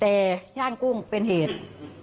แต่ย่านกุ้งเป็นเหตุ